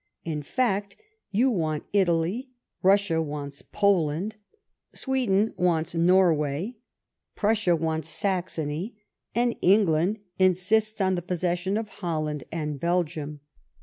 In fact, yea want Italy, Russia wants Poland, Sweden wants Norway, Prussia wants Saxony, and England insists on the possession of Holland and Belgium.